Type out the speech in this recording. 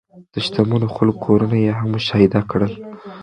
د شتمنو خلکو کورونه یې هم مشاهده کړل.